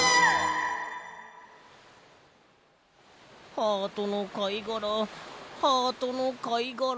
ハートのかいがらハートのかいがら。